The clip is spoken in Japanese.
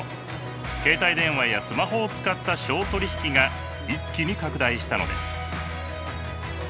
携帯電話やスマホを使った商取引が一気に拡大したのです。